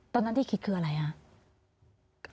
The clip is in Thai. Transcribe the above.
ตอนนั้นที่คิดคืออะไรคะ